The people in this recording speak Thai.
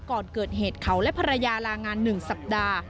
ก่อนเกิดเหตุเขาและภรรยาลางาน๑สัปดาห์